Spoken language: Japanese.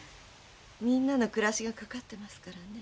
みんなの暮らしがかかってますからね。